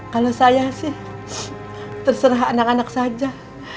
kalau saya sih terserah anak anak saja